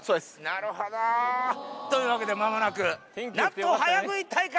なるほど！というわけで間もなく。